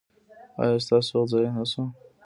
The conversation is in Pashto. ایا ستاسو وخت ضایع نه شو؟